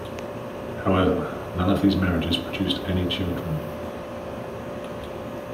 However, none of these marriages produced any children.